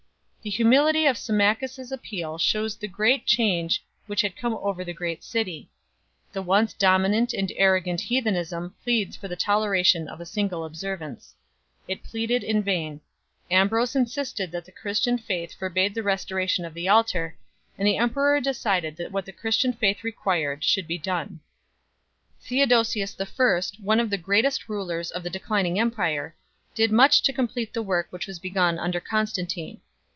The humility of Symmachus s appeal shews the great change which had come over the great city; the once dominant and arrogant heathenism pleads for the toleration of a single observance. It pleaded in vain. Ambrose insisted that the Christian faith forbade the restoration of the altar, and the emperor decided that what the Christian faith required should be done 1 . Theodosius I., one of the greatest rulers of the de clining empire, did much to complete the work which was begun under Constantine.